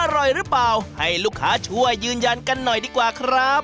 อร่อยหรือเปล่าให้ลูกค้าช่วยยืนยันกันหน่อยดีกว่าครับ